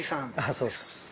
そうです。